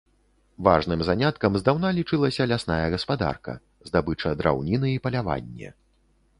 Важным заняткам здаўна лічылася лясная гаспадарка, здабыча драўніны і паляванне.